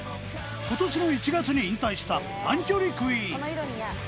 今年の１月に引退した短距離クイーン